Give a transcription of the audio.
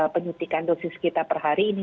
penyuntikan dosis kita per hari ini